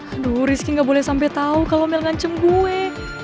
aduh rizky gak boleh sampai tahu kalau mel nganceng gue